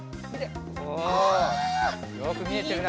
およくみえてるな！